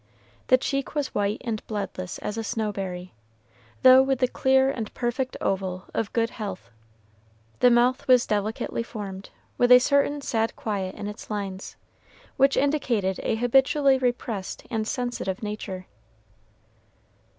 The cheek was white and bloodless as a snowberry, though with the clear and perfect oval of good health; the mouth was delicately formed, with a certain sad quiet in its lines, which indicated a habitually repressed and sensitive nature.